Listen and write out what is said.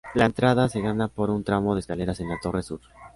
La entrada se gana por un tramo de escaleras en la torre sur.